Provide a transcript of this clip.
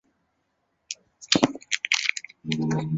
黄毛乌头为毛茛科乌头属下的一个种。